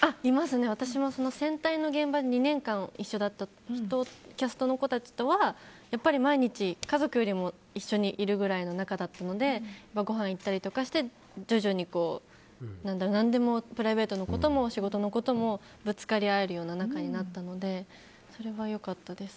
私は戦隊の現場で２年間一緒だったキャストの子たちとは毎日家族よりも一緒にいるぐらいの仲だったのでごはん行ったりとかして、徐々に何でも、プライベートのことも仕事のこともぶつかり合えるような仲になったのでそれは良かったです。